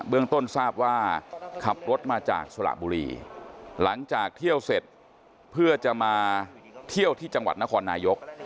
เรื่องต้นทราบว่าขับรถมาจากสระบุรีหลังจากเที่ยวเสร็จเพื่อจะมาเที่ยวที่จังหวัดนครนายก